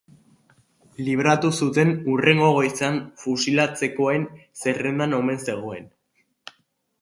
Libratu zuten hurrengo goizean fusilatzekoen zerrendan omen zegoen.